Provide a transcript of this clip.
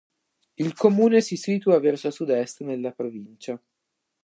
Il comune si situa verso sud-est nella provincia.